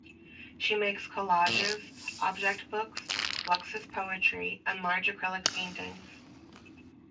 She makes collages, objectbooks, fluxus poetry and large acrylic paintings.